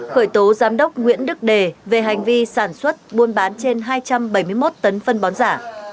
khởi tố giám đốc nguyễn đức đề về hành vi sản xuất buôn bán trên hai trăm bảy mươi một tấn phân bón giả